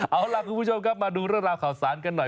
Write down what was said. เอาล่ะคุณผู้ชมครับมาดูเรื่องราวข่าวสารกันหน่อย